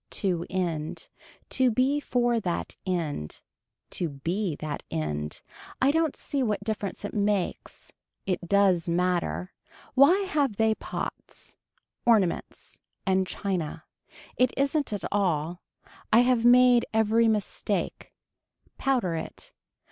To end. To be for that end. To be that end. I don't see what difference it makes It does matter. Why have they pots. Ornaments. And china. It isn't at all. I have made every mistake. Powder it.